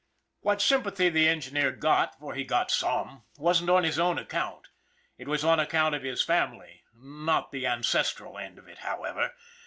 What sympathy the engineer got, for he got some, wasn't on his own account. It was on account of his family not the ancestral end of it, however.